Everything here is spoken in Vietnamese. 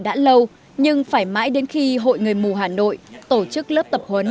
đã lâu nhưng phải mãi đến khi hội người mù hà nội tổ chức lớp tập huấn